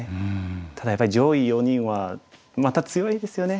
ただやっぱり上位４人はまた強いですよね。